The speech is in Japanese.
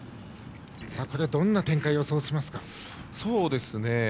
どんな展開を予想しますか？